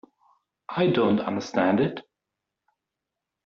I don't understand it.